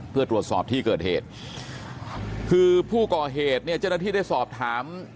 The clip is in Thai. เพื่อตรวจสอบที่เกิดเหตุคือผู้ก่อเหตุเนี่ยเจ้าหน้าที่ได้สอบถาม